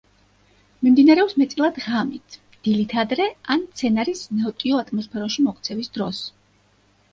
მიმდინარეობს მეტწილად ღამით, დილით ადრე ან მცენარის ნოტიო ატმოსფეროში მოქცევის დროს.